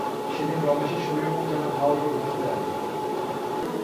সেদিন রমেশের শরীর মন যেন হাওয়ার উপরে ভাসিতে লাগিল।